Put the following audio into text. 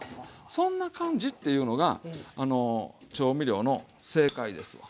そんな感じっていうのが調味料の正解ですわ。